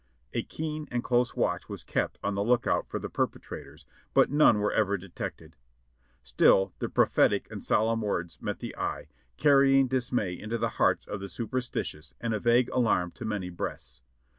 A keen and close watch was kept on the lookout for the perpetrators, but none were ever detected ; still the prophetic and solemn words met the eye, carrying dismay into the hearts of the superstitious and a vague alarm to many breasts.